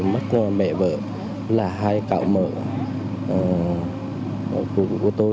mất mẹ vợ là hai cậu mợ của tôi